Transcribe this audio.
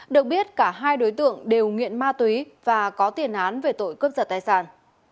được biết cả hai đối tượng đều nghiện ma túy và có tiền án về tội cướp giật tài sản